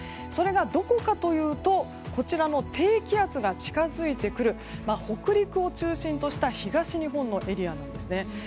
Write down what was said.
それが、どこかというとこちらの低気圧が近づいてくる北陸を中心とした東日本のエリアなんですね。